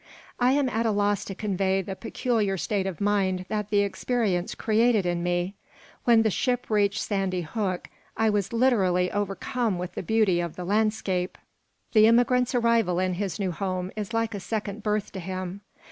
I am at a loss to convey the peculiar state of mind that the experience created in me When the ship reached Sandy Hook I was literally overcome with the beauty of the landscape The immigrant's arrival in his new home is like a second birth to him.